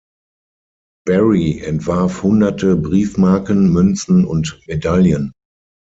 Berry entwarf hunderte Briefmarken, Münzen und Medaillen.